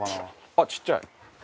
あっちっちゃい。